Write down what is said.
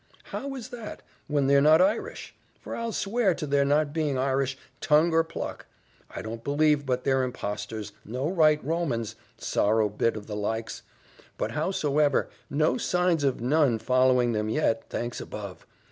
"How is that, when they're not Irish! for I'll swear to their not being Irish, tongue or pluck. I don't believe but they're impostors no right Romans, sorrow bit of the likes; but howsomdever, no signs of none following them yet thanks above!